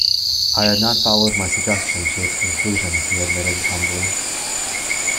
"I had not followed my suggestion to its conclusion," he admitted humbly.